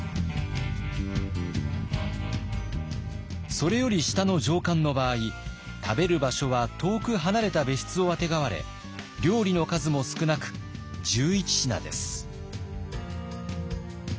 それより下の上官の場合食べる場所は遠く離れた別室をあてがわれ料理の数も少なく１１品です。